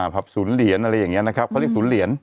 ผับศูนย์เหรียญอะไรอย่างนี้นะครับเขาเรียกศูนย์เหรียญ